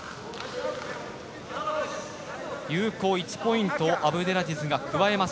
有効１ポイントアブデラジズが加えます。